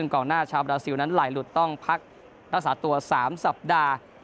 กองหน้าชาวบราซิลนั้นไหลหลุดต้องพักรักษาตัว๓สัปดาห์